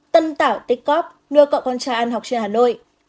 tân tảo tích cóp nuôi cậu con trai ăn học trên hà nội